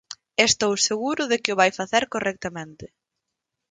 Estou seguro de que o vai facer correctamente.